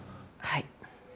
はい。